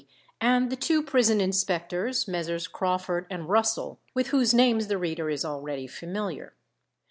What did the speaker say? and the two prison inspectors, Messrs. Crawford and Russell, with whose names the reader is already familiar.